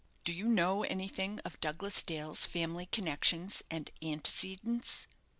"Do you know anything of Douglas Dale's family connections and antecedents?"